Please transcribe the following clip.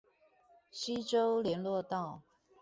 溪州連絡道